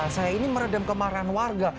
saya ini meredam kemarahan warga